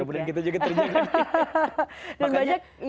mudah mudahan kita juga terjaga nih